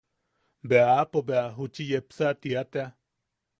Bea aapo bea juchi yepsa tia tea.